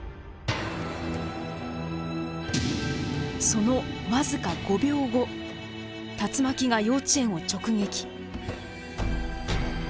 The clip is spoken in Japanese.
その僅か５秒後竜巻が幼稚園を直撃。